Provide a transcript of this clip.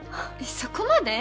そこまで？